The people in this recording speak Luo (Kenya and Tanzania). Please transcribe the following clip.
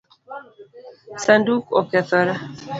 Sanduk okethore?